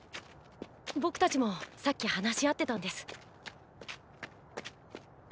僕達もさっき話し合ってたんです。